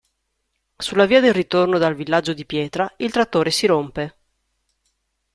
Sulla via del ritorno dal villaggio di pietra, il trattore si rompe.